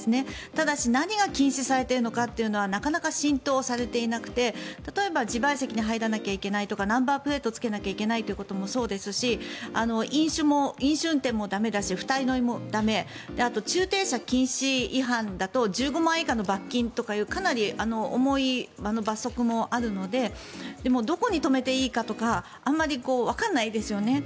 ただし何が禁止されているのかはなかなか浸透されていなくて例えば自賠責に入らなきゃいけないとかナンバープレートをつけなきゃいけないということもそうですし飲酒運転も駄目だし２人乗りもだめあとは駐停車禁止違反だと１５万円以下の罰金というかなり重い罰則もあるのでどこに止めていいかとかあんまりわからないですよね。